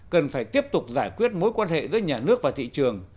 cần phải tiếp tục giải quyết mối quan hệ giữa nhà nước và thị trường